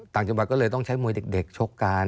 ต่างจังหวัดก็เลยต้องใช้มวยเด็กชกกัน